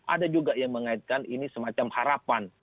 ada juga yang mengaitkan ini semacam harapan